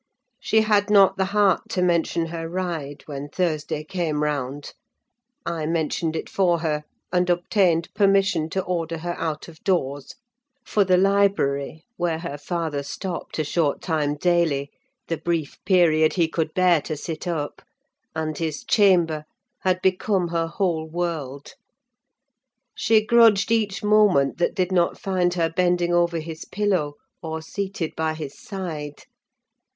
She had not the heart to mention her ride, when Thursday came round; I mentioned it for her, and obtained permission to order her out of doors: for the library, where her father stopped a short time daily—the brief period he could bear to sit up—and his chamber, had become her whole world. She grudged each moment that did not find her bending over his pillow, or seated by his side.